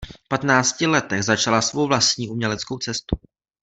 V patnácti letech začala svou vlastní uměleckou cestu.